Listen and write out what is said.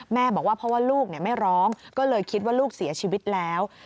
บอกว่าเพราะว่าลูกไม่ร้องก็เลยคิดว่าลูกเสียชีวิตแล้ว